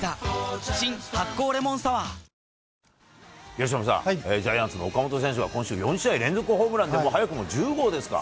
由伸さん、ジャイアンツの岡本選手は今週、４試合連続ホームランで、早くも１０号ですか。